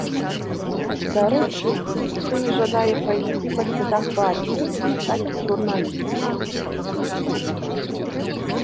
Дарэчы, сын жадае пайсці па слядах бацькі і стаць журналістам.